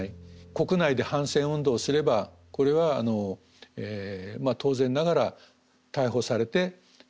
国内で反戦運動をすればこれはまあ当然ながら逮捕されて犯罪者になってしまう。